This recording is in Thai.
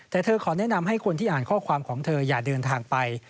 แต่เธอขอแนะนำให้คนที่อ่านข้อความของเธออย่าเดินทางไป